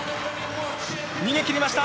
逃げきりました。